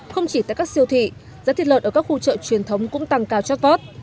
không chỉ tại các siêu thị giá thịt lợn ở các khu chợ truyền thống cũng tăng cao chót vót